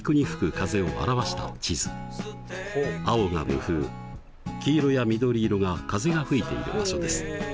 青が無風黄色や緑色が風が吹いている場所です。